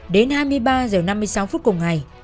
đến hai mươi ba h năm mươi sáu phút cùng ngày